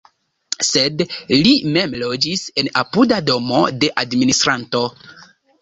Sed li mem loĝis en apuda domo de administranto.